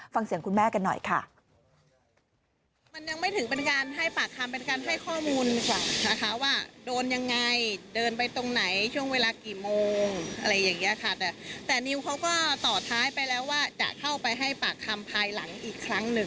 ฟังเสียงคุณแม่กันหน่อยค่ะ